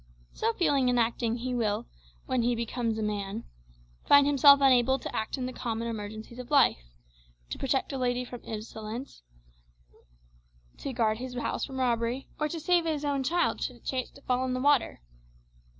So feeling and acting, he will, when he becomes a man, find himself unable to act in the common emergencies of life to protect a lady from insolence, to guard his house from robbery, or to save his own child should it chance to fall into the water.